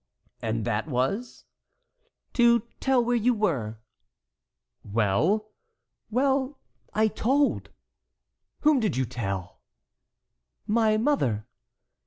"And that was"— "To tell where you were." "Well?" "Well, I told." "Whom did you tell?" "My mother."